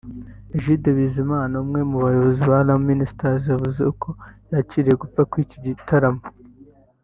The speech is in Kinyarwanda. Egide Bizima umwe mu bayobozi ba Alarm Ministries yavuze uko yakiriye gupfa kw'iki gitaramo